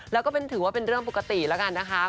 แล้วก็ถือว่าเป็นเรื่องปกติมากนะครับ